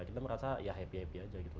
kita merasa ya happy happy aja gitu